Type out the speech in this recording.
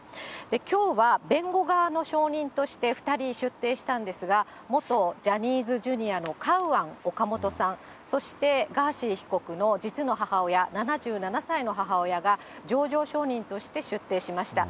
きょうは弁護側の証人として２人出廷したんですが、元ジャニーズＪｒ．のカウアン・オカモトさん、そして、ガーシー被告の実の母親、７７歳の母親が情状証人として出廷しました。